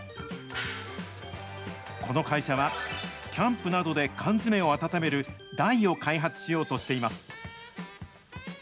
この会社は、キャンプなどで缶詰を温める台を開発しようとしています。